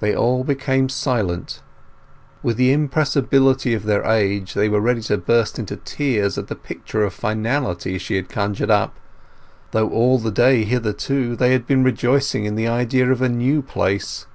They all became silent; with the impressibility of their age they were ready to burst into tears at the picture of finality she had conjured up, though all the day hitherto they had been rejoicing in the idea of a new place.